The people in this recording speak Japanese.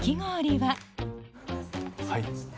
はい。